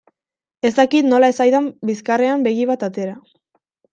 Ez dakit nola ez zaidan bizkarrean begi bat atera.